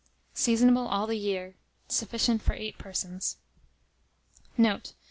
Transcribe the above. Seasonable all the year. Sufficient for 8 persons. Note.